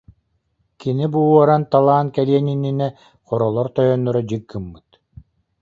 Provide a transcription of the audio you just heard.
Кини бу уоран-талаан кэлиэн иннинэ хоролор тойонноро дьик гыммыт